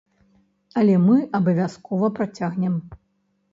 Але мы абавязкова працягнем!